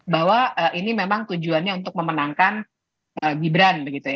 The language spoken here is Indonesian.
bahwa ini memang tujuannya untuk memenangkan gibran